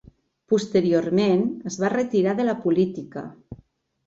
Posteriorment es va retirar de la política.